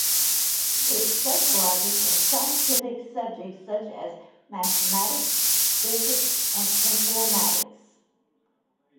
It specializes in scientific subjects such as mathematics, physics, and informatics.